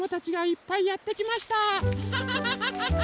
アハハハハハ！